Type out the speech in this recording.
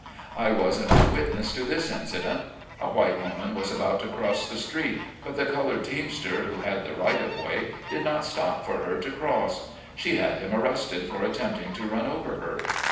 I was an eye witness to this incident : A white woman was about to cross the street, but the colored teamster, who had the right of way, did not stop for her to cross. She had him arrested for attempting to run over her.